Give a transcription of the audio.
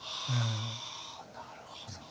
なるほど。